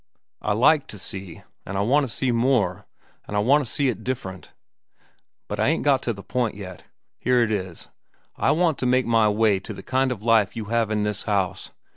I like to see, an' I want to see more, an' I want to see it different. "But I ain't got to the point yet. Here it is. I want to make my way to the kind of life you have in this house.